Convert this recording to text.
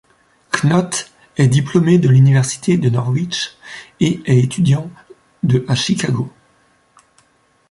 Knott est diplômé de l'université de Norwich et est étudiant de à Chicago.